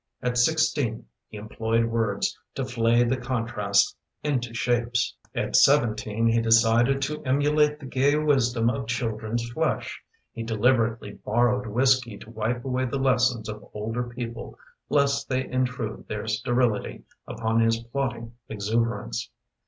At sixteen he employed words To flay the contrast into shapes. v At seventeen he decided To emulate the gay wisdom of children's flesh. He deliberately borrowed whiskey To wipe away the lessons of older people Lest they intrude their sterility Upon his plotting exuberance.